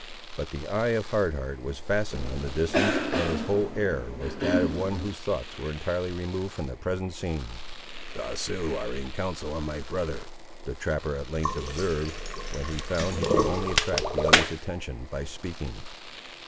But the eye of Hard Heart was fastened on the distance, and his whole air was that of one whose thoughts were entirely removed from the present scene. "The Siouxes are in council on my brother," the trapper at length observed, when he found he could only attract the other's attention by speaking.